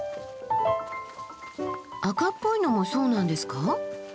赤っぽいのもそうなんですか？